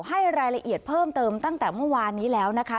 ให้รายละเอียดเพิ่มเติมตั้งแต่เมื่อวานนี้แล้วนะคะ